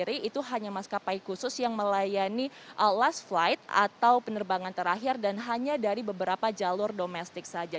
itu hanya maskapai khusus yang melayani penerbangan terakhir dan hanya dari beberapa jalur domestik saja